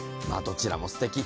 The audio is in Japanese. まあどちらも素敵。